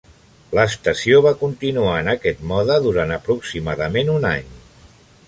L'estació va continuar en aquest mode durant aproximadament un any.